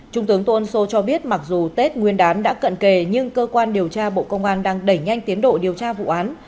trung tướng tôn sô cho biết mặc dù tết nguyên đán đã cận kề nhưng cơ quan điều tra bộ công an đang đẩy nhanh tiến độ điều tra vụ án